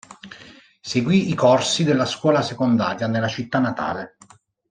Seguì i corsi della scuola secondaria nella città natale.